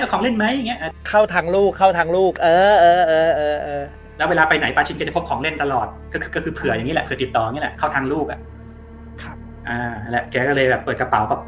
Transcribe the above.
แกก็เลยแบบเปิดกระเป๋า